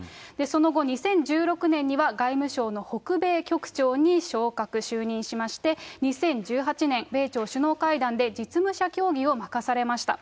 その後、２０１６年には外務省の北米局長に昇格、就任しまして、２０１８年、米朝首脳会談で実務者協議を任されました。